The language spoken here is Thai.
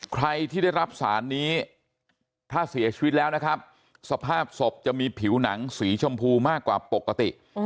ใครที่ได้รับสารนี้ถ้าเสียชีวิตแล้วนะครับสภาพศพจะมีผิวหนังสีชมพูมากกว่าปกติ